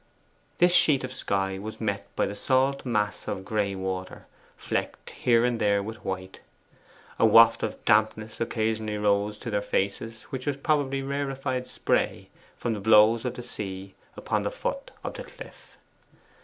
This sheet of sky was met by the salt mass of gray water, flecked here and there with white. A waft of dampness occasionally rose to their faces, which was probably rarefied spray from the blows of the sea upon the foot of the cliff.